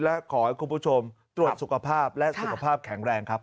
และขอให้คุณผู้ชมตรวจสุขภาพและสุขภาพแข็งแรงครับ